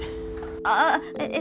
ああえっ